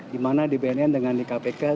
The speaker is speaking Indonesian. di mana di bnn dengan di kpk